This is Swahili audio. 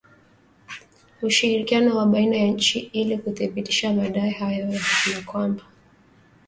na ushirikiano wa baina ya nchi ili kuthibitisha madai hayo na kwamba